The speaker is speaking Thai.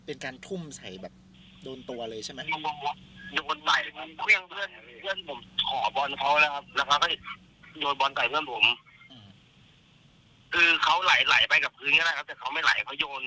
เป็นการทุ่มใส่แบบโดนตัวเลยใช่ไหม